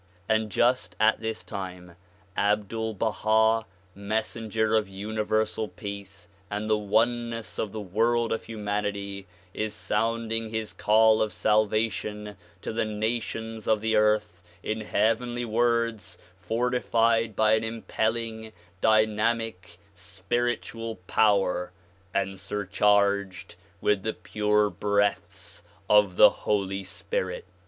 And just at this time Abdul Baha mes senger of Universal Peace and the oneness of the world of humanity is sounding his call of salvation to the nations of the earth in heav enly words fortified by an impelling dynamic spiritual power and surcharged with the pure breaths of the Holy Spirit.